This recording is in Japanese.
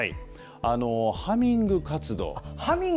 ハミング活動。